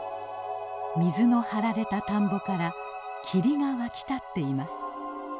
水の張られた田んぼから霧が湧き立っています。